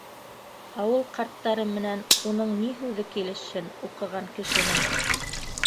Ауыл ҡарттары менән уның ни һүҙе килешһен, уҡыған кешенең.